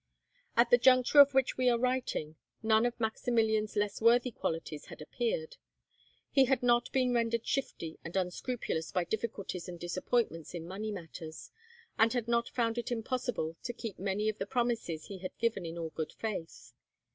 At the juncture of which we are writing, none of Maximilian's less worthy qualities had appeared; he had not been rendered shifty and unscrupulous by difficulties and disappointments in money matters, and had not found it impossible to keep many of the promises he had given in all good faith.